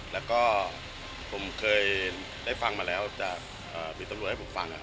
แล้วก็ผมเคยได้ฟังมาแล้วจากพี่ตำรวจให้ผมฟัง